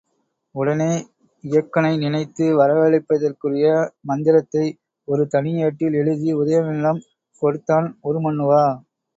உடனே இயக்கனை நினைத்து வரவழைப்பதற்குரிய மந்திரத்தை ஒரு தனி ஏட்டில் எழுதி உதயணனிடம் கொடுத்தான் உருமண்ணுவா.